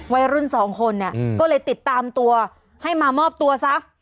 วัยรุ่นสองคนเนี่ยก็เลยติดตามตัวให้มามอบตัวซะ